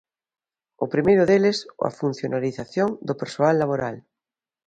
O primeiro deles, a funcionarización do persoal laboral.